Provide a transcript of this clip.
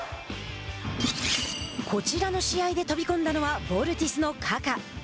こちらの試合で飛び込んだのはヴォルティスのカカ。